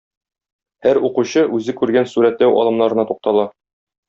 Һәр укучы үзе күргән сурәтләү алымнарына туктала.